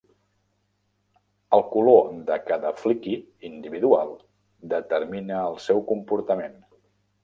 El color de cada flicky individual determina el seu comportament.